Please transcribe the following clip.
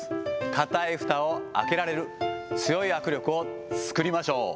固いふたを開けられる、強い握力を作りましょう。